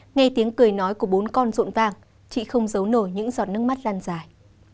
nghe tiếng cười nói của bốn con rộn vàng chị không giấu nổi những giọt nước mắt lan dài